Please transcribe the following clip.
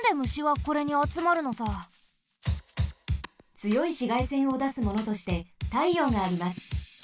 つよいしがいせんをだすものとしてたいようがあります。